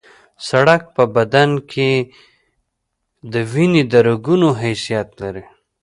سړک په بدن کې د وینې د رګونو حیثیت لري